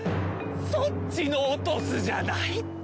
そっちの落とすじゃないって！